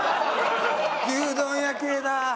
牛丼屋系だ。